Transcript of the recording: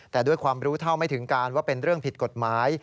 แต่ด้วยความรู้เท่าไม่ถึงการว่าเป็นเรื่องผิดกฎหมาย